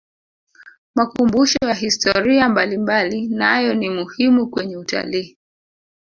makumbusho ya historia mbalimbali nayo ni muhimu kwenye utalii